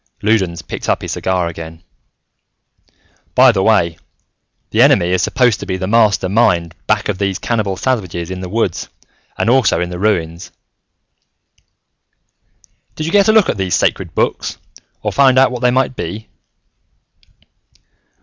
Loudons picked up his cigar again. "By the way, the Enemy is supposed to be the master mind back of these cannibal savages in the woods and also in the ruins." "Did you get a look at these Sacred Books, or find out what they might be?"